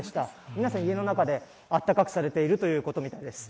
皆さん家の中で、温かくされているということみたいです。